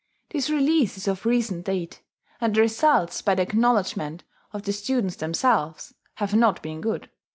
[*This release is of recent date; and the results, by the acknowledgment of the students themselves, have not been good.